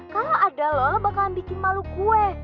kalau ada lo lo bakalan bikin malu gue